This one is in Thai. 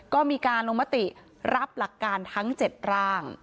ก็มีการลงมติรับหลักการทั้ง๗ร่าง